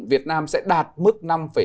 việt nam sẽ đạt mức năm năm